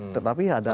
tetapi ada masalah